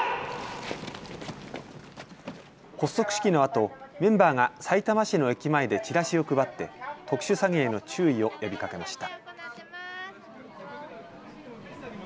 発足式のあとメンバーがさいたま市の駅前でチラシを配って特殊詐欺への注意を呼びかけました。